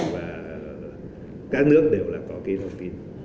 và các nước đều là có cái đồng tin